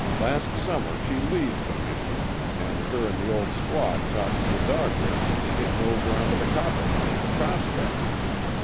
Last summer she leaves the mission an' her an' the old squaw talks the Dog Ribs into hittin' over onto the Coppermine to prospect.